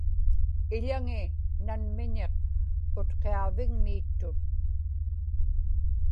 iḷaŋi nanmiñiq Utqiaġvigmiittut